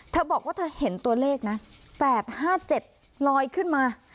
เธอบอกว่าเธอเห็นตัวเลขนะ๘๕๗ลอยขึ้นมา